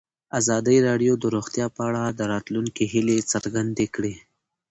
ازادي راډیو د روغتیا په اړه د راتلونکي هیلې څرګندې کړې.